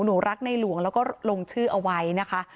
หนูรักในหลวงแล้วก็ลงชื่อเอาไว้นะคะ